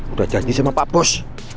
udah janji sama pak bos